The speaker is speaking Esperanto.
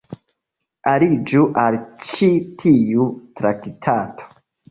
Aliĝu al ĉi tiu traktato.